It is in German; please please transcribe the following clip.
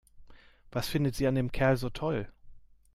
Was findet sie an dem Kerl so toll?